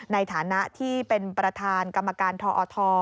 ในฐานะที่เป็นประธานกรรมการทอท